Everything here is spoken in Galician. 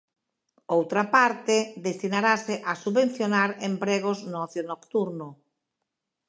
Outra parte destinarase a subvencionar empregos no ocio nocturno.